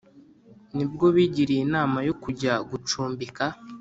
ni bwo bigiriye inama yo kujya gucumbika